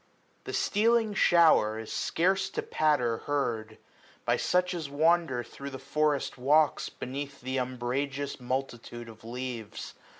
175 The stealing shower is scarce to patter heard. By such as wander thro* the foreft walks. Beneath th* umbrageous multitude of leaves.